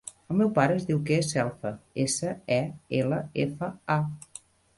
El meu pare es diu Quer Selfa: essa, e, ela, efa, a.